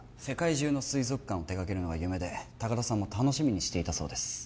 世界中の水族館を手がけるのが夢で高田さんも楽しみにしていたそうです